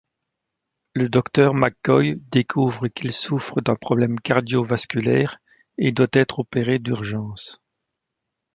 Le docteur McCoy découvre qu'il souffre d'un problème cardiovasculaire et doit être opéré d'urgence.